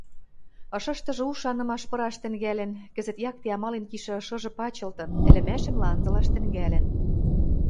Ышыштыжы у шанымаш пыраш тӹнгӓлӹн, кӹзӹт якте амален кишӹ ышыжы пачылтын, ӹлӹмӓшӹм ланзылаш тӹнгӓлӹн.